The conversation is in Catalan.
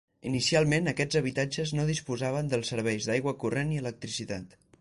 Inicialment aquests habitatges no disposaven dels serveis d'aigua corrent i electricitat.